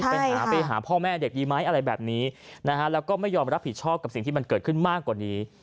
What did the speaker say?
ไปหาไปหาพ่อแม่เด็กดีไหมอะไรแบบนี้นะฮะแล้วก็ไม่ยอมรับผิดชอบกับสิ่งที่มันเกิดขึ้นมากกว่านี้